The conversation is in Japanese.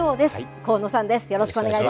高野さんです。